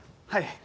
はい！